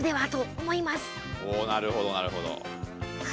おおなるほどなるほど。